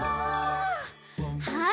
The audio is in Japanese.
はい。